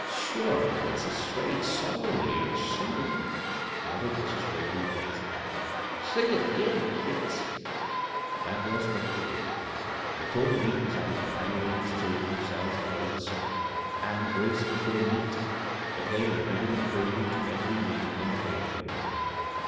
" Sure, an' it's a swate song yer a singin'," muttered Mrs. Whalen at last. " Sing it agin, kids 1 " That was but the beginning. Before the week was out the landlady's children them selves had learned the song, and " Grace be fore Meat" became a regular prelude to every meal in the Whalen home.